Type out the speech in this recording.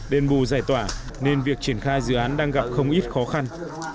đền bù giải tỏa nên việc triển khai dự án đang gặp không ít khó khăn